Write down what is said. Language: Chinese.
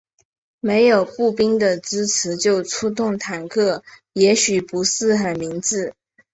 没有步兵的支持就出动坦克也许不是很明智。